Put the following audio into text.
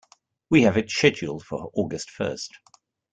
We have it scheduled for August first.